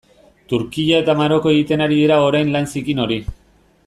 Turkia eta Maroko egiten ari dira orain lan zikin hori.